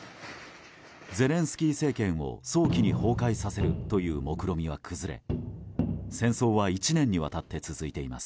ゼレンスキー政権を早期に崩壊させるという目論見は崩れ戦争は１年にわたって続いています。